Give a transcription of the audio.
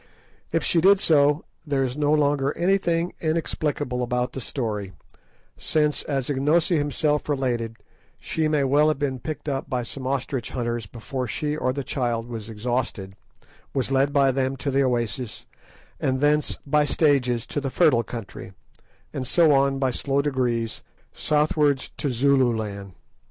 If she did so, there is no longer anything inexplicable about the story, since, as Ignosi himself related, she may well have been picked up by some ostrich hunters before she or the child was exhausted, was led by them to the oasis, and thence by stages to the fertile country, and so on by slow degrees southwards to Zululand.